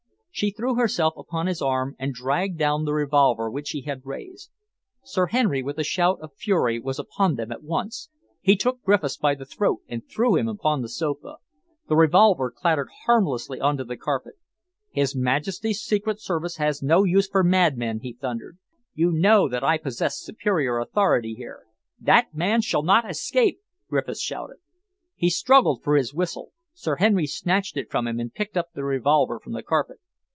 She threw herself upon his arm and dragged down the revolver which he had raised. Sir Henry, with a shout of fury, was upon them at once. He took Griffiths by the throat and threw him upon the sofa. The revolver clattered harmlessly on to the carpet. "His Majesty's Service has no use for madmen," he thundered. "You know that I possess superior authority here." "That man shall not escape!" Griffiths shouted. He struggled for his whistle. Sir Henry snatched it from him and picked up the revolver from the carpet.